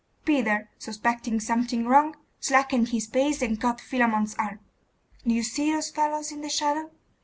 Peter, suspecting something wrong, slackened his pace, and caught Philammon's arm. 'Do you see those fellows in the shadow?